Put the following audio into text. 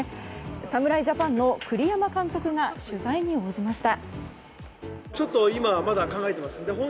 侍ジャパンの栗山監督が取材に応じました。